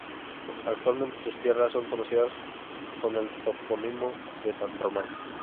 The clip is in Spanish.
Actualmente sus tierras son conocidas con el topónimo de "San Román".